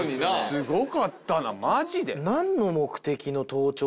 すごかったなマジで。